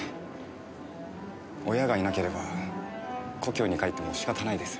親がいなければ故郷に帰っても仕方ないですよ。